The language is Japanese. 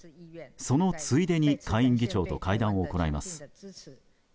そのついでに下院議長と会談を行います。